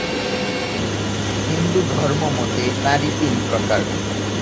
হিন্দু ধর্ম মতে নারী তিন প্রকার।